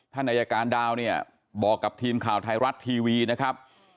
ท่านอายการดาวเนี่ยบอกกับทีมข่าวไทยรัฐทีวีนะครับ